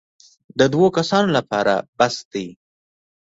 د دوو کسانو لپاره بس دی.